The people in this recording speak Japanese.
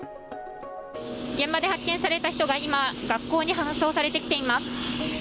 現場で発見された人が今、学校に運ばれてきています。